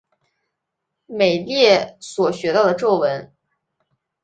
美列所学到的咒文。